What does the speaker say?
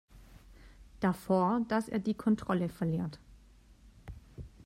Davor, dass er die Kontrolle verliert.